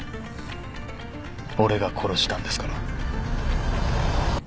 俺が殺したんですから。